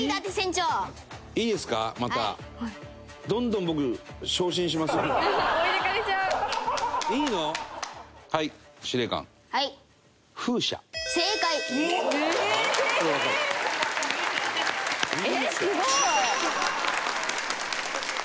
すごい！